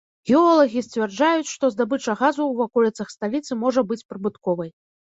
Геолагі сцвярджаюць, што здабыча газу ў ваколіцах сталіцы можа быць прыбытковай.